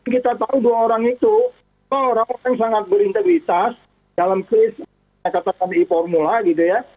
kita tahu dua orang itu orang orang yang sangat berintegritas dalam kris saya katakan di formula gitu ya